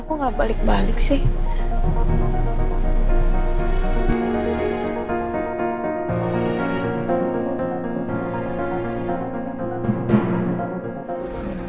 kok gak balik balik sih